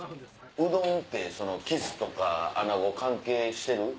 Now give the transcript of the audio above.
うどんってキスとかアナゴ関係してる？